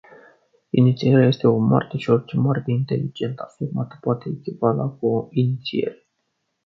Inițierea este o moarte și orice moarte inteligent asumată poate echivala cu o inițiere.